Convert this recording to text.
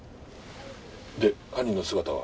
で犯人の姿は？